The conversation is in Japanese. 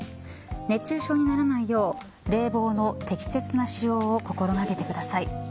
熱中症にならないよう冷房の適切な使用を心掛けてください。